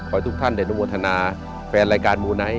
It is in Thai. ขอให้ทุกท่านเด็กนุโมทนาแฟนรายการบูนัย